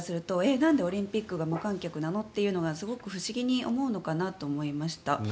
なんでオリンピックが無観客なの？というのがすごく不思議に思うのかなと思いました。